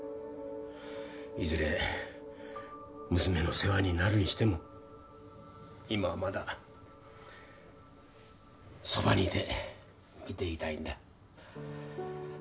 いずれ娘の世話になるにしても今はまだそばにいて見ていたいんだ。